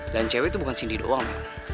dan cewek tuh bukan cindy doang